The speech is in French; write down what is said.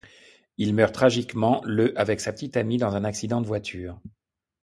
Il meurt tragiquement le avec sa petite amie dans un accident de voiture.